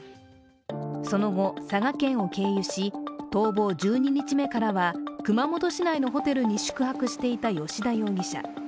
その後、佐賀県を経由し、逃亡１２日目からは熊本市内のホテルに宿泊していた葭田容疑者。